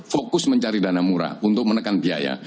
fokus mencari dana murah untuk menekan biaya